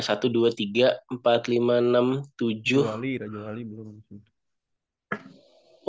satu dua tiga empat lima enam tujuh